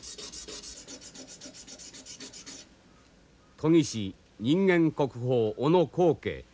研ぎ師人間国宝小野光敬。